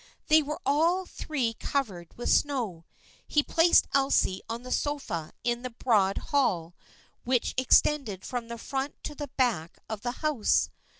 They were all three covered with snow. He placed Elsie on the sofa in the broad hall which extended from the front to the back of the house.